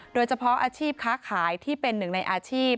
โดยเฉพาะอาชีพค้าขายที่เป็นหนึ่งในอาชีพ